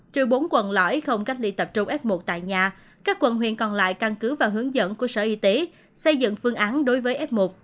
trừ bốn quận lõi không cách ly tập trung f một tại nhà các quận huyện còn lại căn cứ và hướng dẫn của sở y tế xây dựng phương án đối với f một